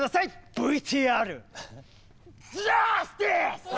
ＶＴＲジャスティス！